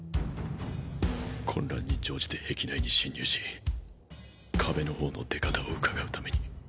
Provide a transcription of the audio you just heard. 混乱に乗じて壁内に侵入し壁の王の出方を窺うために。